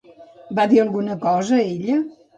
Va dir alguna cosa, ella?